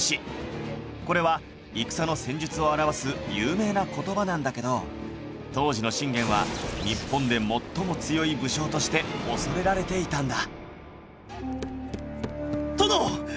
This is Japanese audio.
これは戦の戦術を表す有名な言葉なんだけど当時の信玄は日本で最も強い武将として恐れられていたんだ